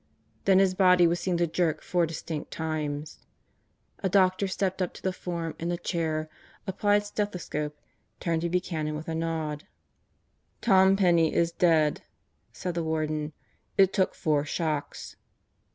Then his body was seen to jerk four distinct times. A doctor stepped up to the form in the chair, applied stethoscope, turned to Buchanan with a nod. "Tom Penney is dead," said the Warden. "It took four shocks."